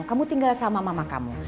kamu tinggal sama mama kamu